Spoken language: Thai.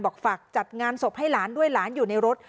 ฝากจัดงานศพให้หลานด้วยหลานอยู่ในรถ